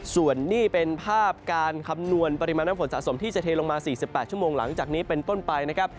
ส่วนนี้เป็นภาพการคำนวณปริมาณน้ำฝนสะสมที่จะเทลงมา๔๘ชั่วโมงหลังจากนี้เป็นต้นไปนะครับ